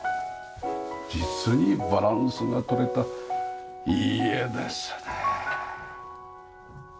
実にバランスが取れたいい画ですね。